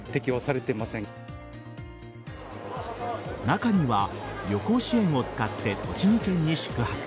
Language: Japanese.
中には旅行支援を使って栃木県に宿泊